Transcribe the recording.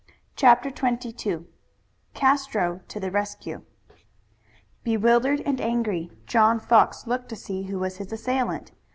CHAPTER XXII CASTRO TO THE RESCUE Bewildered and angry, John Fox looked to see who was his assailant.